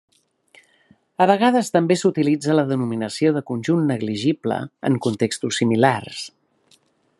A vegades també s'utilitza la denominació de conjunt negligible en contextos similars.